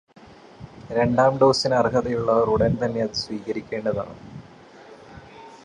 രണ്ടാം ഡോസിന് അര്ഹതയുള്ളവര് ഉടന് തന്നെ അത് സ്വീകരിക്കേണ്ടതാണ്.